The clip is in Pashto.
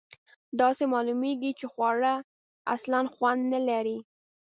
داسې معلومیږي چې خواړه اصلآ خوند نه لري.